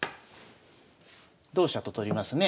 同飛車と取りますね。